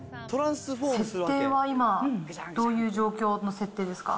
設定は今、どういう状況の設定ですか。